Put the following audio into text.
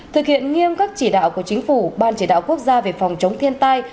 thực hiện nghiêm các chỉ đạo của chính phủ ban chỉ đạo quốc gia về phòng chống thiên tai